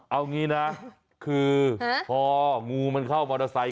เอางี้นะคือพองูมันเข้ามอเตอร์ไซค